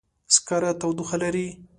سکاره تودوخه لري.